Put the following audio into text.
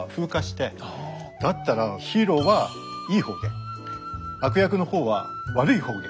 だったらヒーローはいい方言悪役の方は悪い方言。